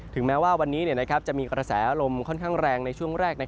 แม้ว่าวันนี้จะมีกระแสลมค่อนข้างแรงในช่วงแรก